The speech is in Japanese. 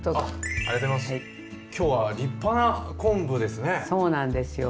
今日は立派な昆布ですね。